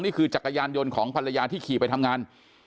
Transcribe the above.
จักรยานยนต์ของภรรยาที่ขี่ไปทำงาน